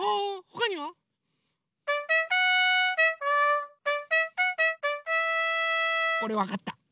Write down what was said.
これわかった！